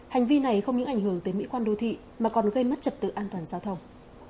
hành vi này không những ảnh hưởng tới mỹ quan đô thị mà còn gây mất trật tự an toàn giao thông